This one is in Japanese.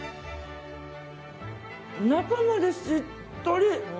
中までしっとり。